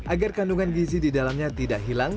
agar kandungan gizi di dalamnya tidak hilang